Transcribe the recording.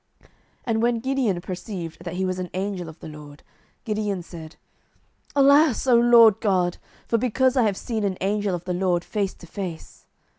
07:006:022 And when Gideon perceived that he was an angel of the LORD, Gideon said, Alas, O LORD God! for because I have seen an angel of the LORD face to face.